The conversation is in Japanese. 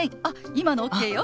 今のＯＫよ！